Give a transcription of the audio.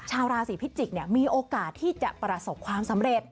ชาวราศีพิจิกษ์มีโอกาสที่จะประสบความสำเร็จ